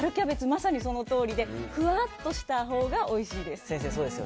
まさにそのとおりでふわっとしたほうがおいしいです。